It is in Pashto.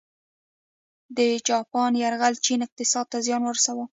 د جاپان یرغل چین اقتصاد ته زیان ورساوه.